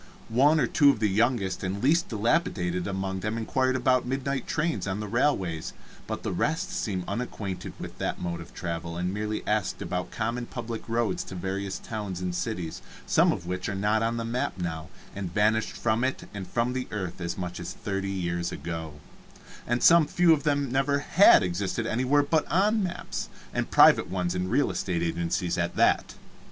One or two of the youngest and least dilapidated among them inquired about midnight trains on the railways, but the rest seemed unacquainted with that mode of travel, and merely asked about common public roads to various towns and cities, some of which are not on the map now, and vanished from it and from the earth as much as thirty years ago, and some few of them never had existed anywhere but on maps, and private ones in real estate agencies at that.